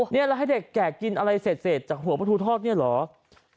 แล้วให้เด็กแกกินอะไรเศษจากหัวปะทูทอดนี้เหรอ